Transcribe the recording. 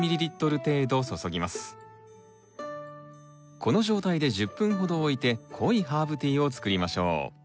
この状態で１０分ほどおいて濃いハーブティーを作りましょう。